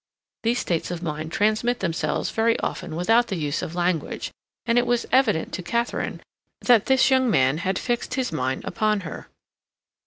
These states of mind transmit themselves very often without the use of language, and it was evident to Katharine that this young man had fixed his mind upon her.